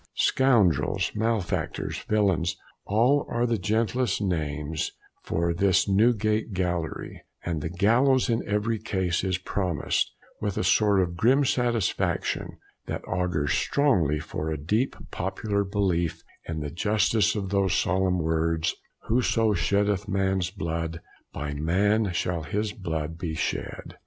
"Scoundrels," "malefactors," "villains," are the gentlest names for this Newgate gallery, and the gallows in every case is promised, with a sort of grim satisfaction that augurs strongly for a deep popular belief in the justice of those solemn words, "Whoso sheddeth man's blood, by man shall his blood be shed."